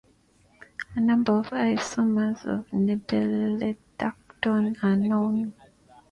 A number of isomers of nepetalactone are known.